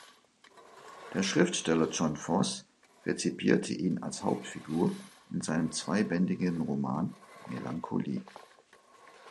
Der Schriftsteller Jon Fosse rezipierte ihn als Hauptfigur in seinem zweibändigen Roman "Melancholie".